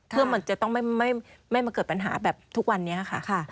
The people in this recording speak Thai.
เพื่อมันจะต้องไม่มาเกิดปัญหาแบบทุกวันนี้ค่ะ